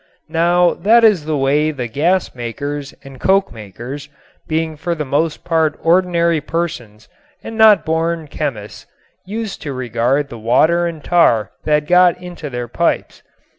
Now that is the way the gas makers and coke makers being for the most part ordinary persons and not born chemists used to regard the water and tar that got into their pipes.